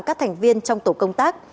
các thành viên trong tổ công tác